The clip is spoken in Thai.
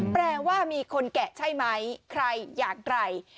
แปลว่ามีคนแกะใช่ไหมใครอยากไกล